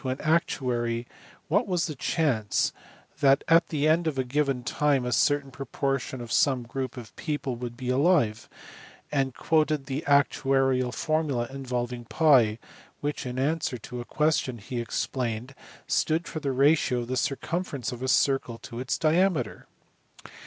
an actuary what was the chance that at the end of a given time a certain proportion of some group of people would be alive ; and quoted the actuarial formu]a involving TT, which in answer to a question he explained stood for the ratio of the circumference of a circle to its diameter.